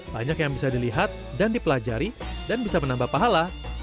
banyak yang bisa dilihat dan dipelajari dan bisa menambah pahala